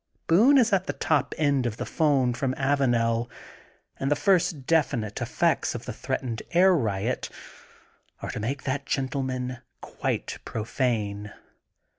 Boone is at the opposite end of the phone from Avanel and the first definite effects of the threatened air riot are to make that gentleman quite profane.